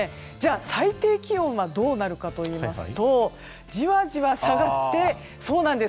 最低気温はどうなるかというとじわじわ下がってそうなんです！